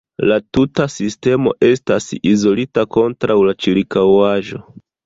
La tuta sistemo estas izolita kontraŭ la ĉirkaŭaĵo.